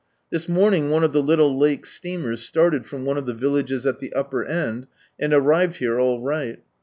This morning one of the little lake steamers started from one of the villages at the upper end, and arrived here all right.